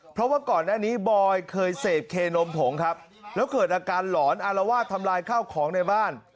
เพราะว่าก่อนหน้านี้บอยเคยเสพเคนมผงครับแล้วเกิดอาการหลอนอารวาสทำลายข้าวของในบ้าน